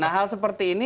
nah hal seperti ini